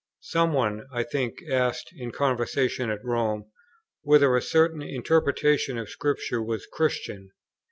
Some one, I think, asked, in conversation at Rome, whether a certain interpretation of Scripture was Christian?